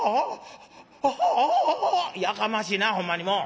「やかましいなあほんまにもう！